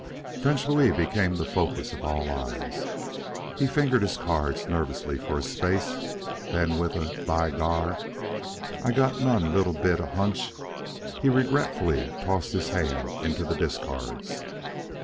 French Louis became the focus of all eyes. He fingered his cards nervously for a space. Then, with a "By Gar! Ah got not one leetle beet hunch," he regretfully tossed his hand into the discards.